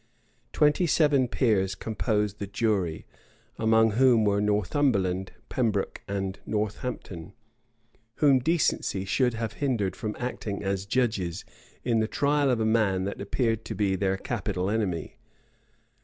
Twenty seven peers composed the jury, among whom were Northumberland, Pembroke, and Northampton, whom decency should have hindered from acting as judges in the trial of a man that appeared to be their capital enemy.